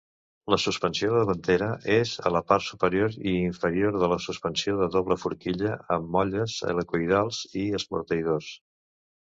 La suspensió davantera és a la part superior i inferior de la suspensió de doble forquilla amb molles helicoïdals i esmorteïdors.